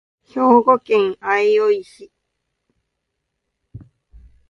兵庫県相生市